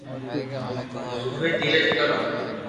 اووي تيرٿ ڪرو